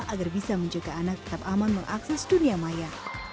agar bisa menjaga anak tetap aman mengakses dunia maya